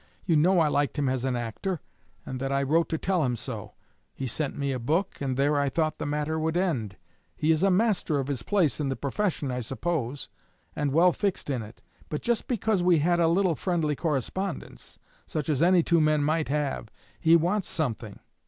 You know I liked him as an actor, and that I wrote to tell him so. He sent me a book, and there I thought the matter would end. He is a master of his place in the profession, I suppose, and well fixed in it. But just because we had a little friendly correspondence, such as any two men might have, he wants something.